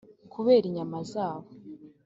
kubera inyama zabo